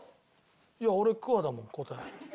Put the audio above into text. いや俺鍬だもん答え。